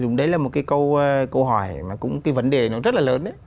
đúng đấy là một câu hỏi mà cũng cái vấn đề nó rất là lớn